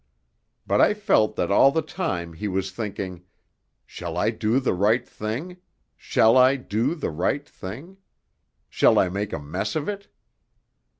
But I felt that all the time he was thinking, 'Shall I do the right thing? shall I do the right thing? shall I make a mess of it?'